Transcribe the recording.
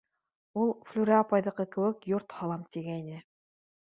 Ул Флүрә апайҙыҡы кеүек йорт һалам тигәйне.